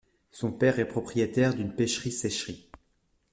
Son père est propriétaire d'une pêcherie-sécherie.